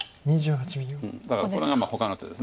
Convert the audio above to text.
だからこれがほかの手です。